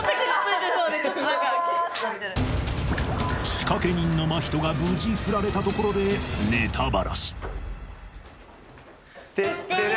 仕掛け人の真人が無事フラれたところでテッテレ！